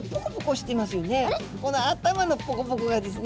この頭のポコポコがですね